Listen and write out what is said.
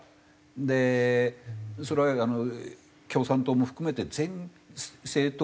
でそれは共産党も含めて。